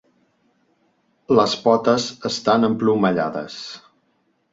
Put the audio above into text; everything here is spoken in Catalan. Les potes estan emplomallades.